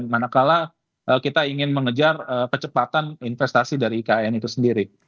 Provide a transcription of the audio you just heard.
manakala kita ingin mengejar kecepatan investasi dari ikn itu sendiri